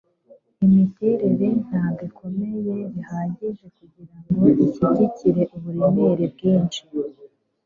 imiterere ntabwo ikomeye bihagije kugirango ishyigikire uburemere bwinshi